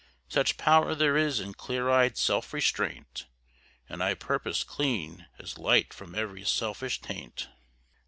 Such power there is in clear eyed self restraint And purpose clean as light from every selfish taint.